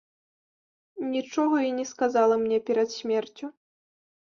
Нічога і не сказала мне перад смерцю.